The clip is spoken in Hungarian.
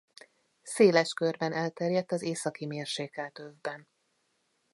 Széles körben elterjedt az északi mérsékelt övben.